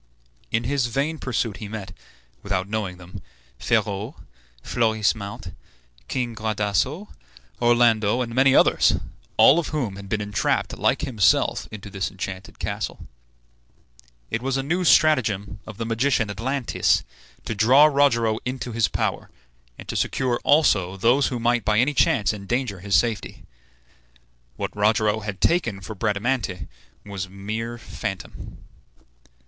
In his vain pursuit he met, without knowing them, Ferrau, Florismart, King Gradasso, Orlando, and many others, all of whom had been entrapped like himself into this enchanted castle. It was a new stratagem of the magician Atlantes to draw Rogero into his power, and to secure also those who might by any chance endanger his safety. What Rogero had taken for Bradamante was a mere phantom.